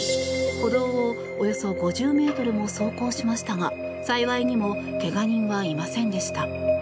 歩道をおよそ５０ｍも走行しましたが幸いにも怪我人はいませんでした。